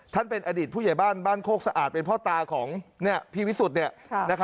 เป็นอดีตผู้ใหญ่บ้านบ้านโคกสะอาดเป็นพ่อตาของพี่วิสุทธิ์